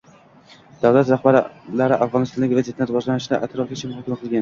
Davlat rahbarlari Afg‘onistondagi vaziyatning rivojlanishini atroflicha muhokama qilgan